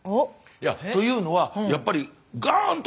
いやというのはやっぱりガーン！と